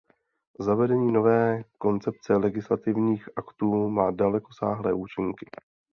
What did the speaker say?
Zavedení nové koncepce legislativních aktů má dalekosáhlé účinky.